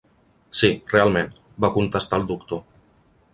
"Sí, realment", va contestar el doctor.